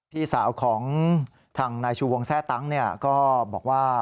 พี่สาวของทางนายชูวงแทร่ตั้งก็บอกว่า